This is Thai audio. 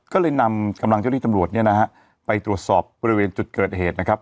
ก็เลยนำกำลังเจ้าหน้าที่ตำรวจเนี่ยนะฮะไปตรวจสอบบริเวณจุดเกิดเหตุนะครับ